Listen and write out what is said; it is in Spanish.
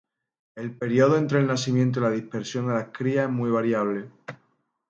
El período entre el nacimiento y la dispersión de las crías es muy variable.